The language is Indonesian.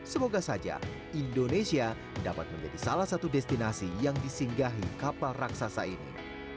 semoga saja indonesia dapat menjadi salah satu destinasi yang disinggahi kapal raksasa ini